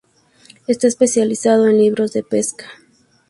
Está especializado en libros de pesca.